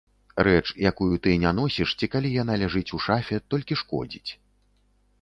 Рэч, якую ты не носіш, ці калі яна ляжыць у шафе, толькі шкодзіць.